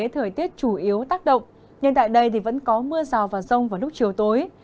thời tiết chủ yếu tác động nhưng tại đây vẫn có mưa rào và rông vào lúc chiều tối